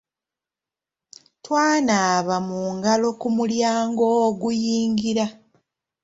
Twanaaba mu ngalo ku mulyango oguyingira.